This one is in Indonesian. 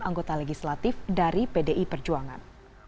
anggota legislatif dari pdi perjuangan